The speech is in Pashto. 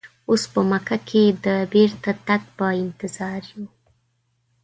اوس په مکه کې د بیرته تګ په انتظار یو.